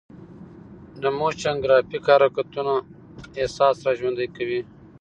د موشن ګرافیک حرکتونه احساس راژوندي کوي.